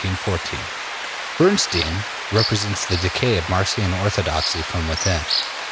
Berstein represents the decay of Marxian orthodoxy from within.